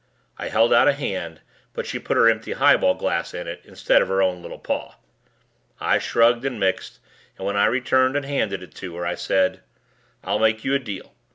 I held out a hand but she put her empty highball glass in it instead of her own little paw. I shrugged and mixed and when I returned and handed it to her I said, "I'll make you a deal.